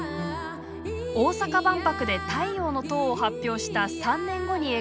大阪万博で「太陽の塔」を発表した３年後に描いた作品。